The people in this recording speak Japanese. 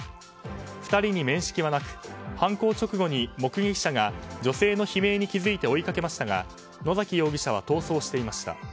２人に面識はなく犯行直後に目撃者が女性の悲鳴に気づいて追いかけましたが野崎容疑者は逃走していました。